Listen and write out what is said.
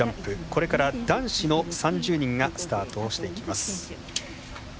これから、男子の３０人がスタートをしていきます。